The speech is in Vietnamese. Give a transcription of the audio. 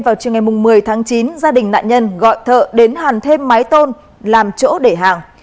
vào chiều ngày một mươi tháng chín gia đình nạn nhân gọi thợ đến hàn thêm mái tôn làm chỗ để hàng